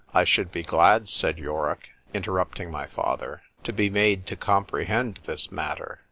—I should be glad, said Yorick, interrupting my father, to be made to comprehend this matter.